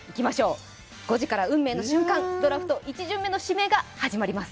１７時から運命の瞬間、ドラフト１巡目が始まります。